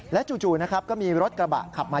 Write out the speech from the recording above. จู่นะครับก็มีรถกระบะขับมา